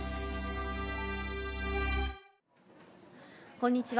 こんにちは。